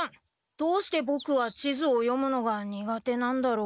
どうしてボクは地図を読むのが苦手なんだろう。